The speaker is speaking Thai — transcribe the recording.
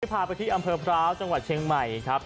พาไปที่อำเภอพร้าวจังหวัดเชียงใหม่ครับ